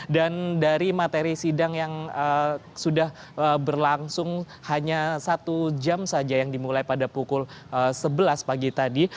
dan dari materi sidang yang sudah berlangsung hanya satu jam saja yang dimulai pada pukul sebelas pagi tadi